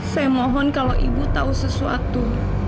saya mohon kalau ibu tahu sesuatu